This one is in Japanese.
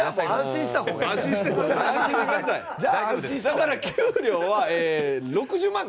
だから給料は６０万です。